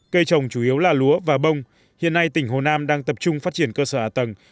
cây trồng chủ yếu là lúa và bông hiện nay tỉnh hồ nam đang tập trung phát triển cơ sở ả tầng